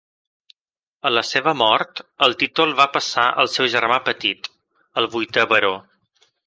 A la seva mort, el títol va passar al seu germà petit, el vuitè baró.